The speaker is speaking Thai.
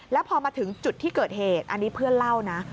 แล้วพอมาถึงจุดที่เกิดเหตุอันนี้เพื่อนเล่านะ